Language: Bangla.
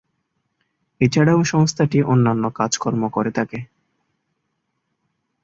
এছাড়াও সংস্থাটি অন্যান্য কাজ-কর্ম করে থাকে।